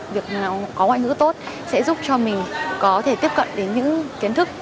việc nào có ngoại ngữ tốt sẽ giúp cho mình có thể tiếp cận đến những kiến thức